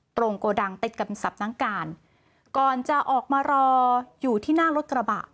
โกดังติดกับสับน้ำการก่อนจะออกมารออยู่ที่หน้ารถกระบะ